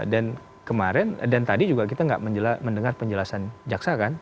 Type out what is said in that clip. dan kemarin dan tadi juga kita tidak mendengar penjelasan jaksa kan